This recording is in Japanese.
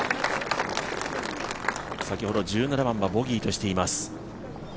先ほど１７番はボギーとしています。